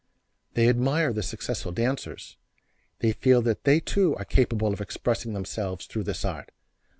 They admire the successful dancers; they feel that they too are capable of expressing themselves through this art.